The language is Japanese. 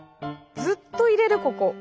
ずっといれるここ。